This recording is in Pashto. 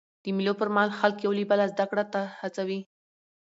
د مېلو پر مهال خلک یو له بله زدهکړي ته هڅوي.